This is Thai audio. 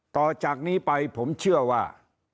ต่อจากนี้ไปผมเชื่อว่า